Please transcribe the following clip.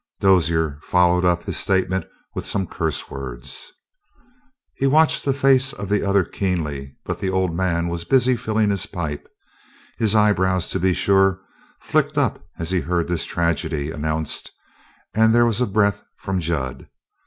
Dozier followed up his statement with some curse words. He watched the face of the other keenly, but the old man was busy filling his pipe. His eyebrows, to be sure, flicked up as he heard this tragedy announced, and there was a breath from Jud.